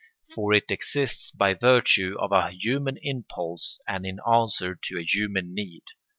For it exists by virtue of a human impulse and in answer to a human need.